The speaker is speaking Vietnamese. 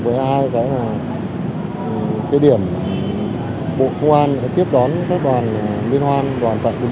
một mươi hai cái là cái điểm bộ công an tiếp đón các đoàn liên hoan đoàn tạc đường bốn